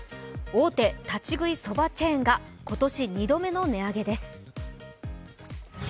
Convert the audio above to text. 大手立ち食いそばチェーンが今年２度目の値上げです。